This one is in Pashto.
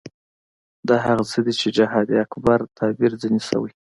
دا هغه څه دي چې جهاد اکبر تعبیر ځنې شوی.